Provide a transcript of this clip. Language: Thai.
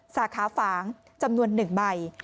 สาขาฝางจำนวน๑ใบ